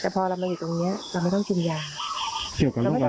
แต่พอเรามาอยู่ตรงเนี้ยเราไม่ต้องกินยาเกี่ยวกับโรคอะไรน่ะ